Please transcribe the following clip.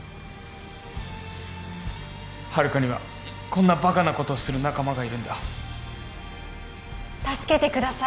遙にはこんなバカなことをする仲間がいるんだ助けてください